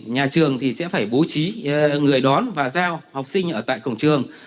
nhà trường sẽ phải bố trí người đón và giao học sinh ở tại cổng trường